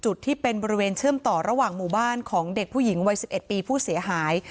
จุดที่เป็นบริเวณเชื่อมต่อระหว่างหมู่บ้านของเด็กผู้หญิงวัย๑๑ปีผู้เสียหาย